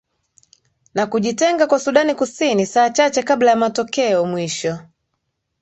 na kujitenga kwa sudan kusini saa chache kabla ya matokeo mwisho